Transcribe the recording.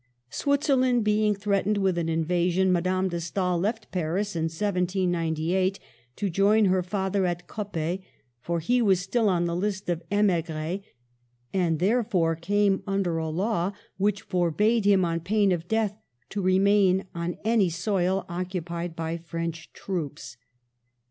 Switzerland being threatened with an invasion, Madame de Stael left Paris in 1798 to join her father at Coppet ; for he was still on the list of tmigrts, and therefore came under a law which forbade him on pain of death to remain on any soil occupied by French troops.